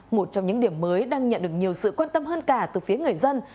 một trong những điểm mới đang nhận được nhiều sự quan tâm hơn cả từ phía người dân